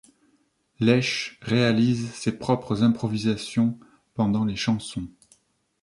Lesh réalise ses propres improvisations pendant les chansons.